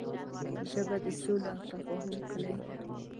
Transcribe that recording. ژبه د سولې او تفاهم کلۍ ده